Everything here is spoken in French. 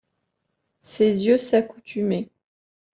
Ses yeux s’accoutumaient.